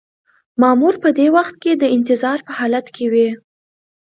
مامور په دې وخت کې د انتظار په حالت کې وي.